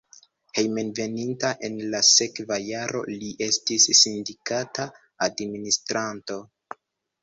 Hejmenveninta en la sekva jaro li estis sindikata administranto.